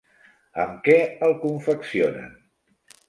Amb què el confeccionen?